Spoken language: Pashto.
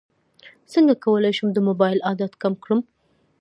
څنګه کولی شم د موبایل عادت کم کړم